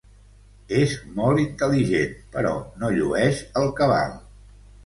És molt intel·ligent, però no llueix el que val.